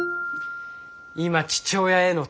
今父親への